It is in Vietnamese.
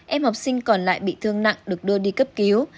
em học sinh còn lại bị thương nặng được đưa đi cấp cứu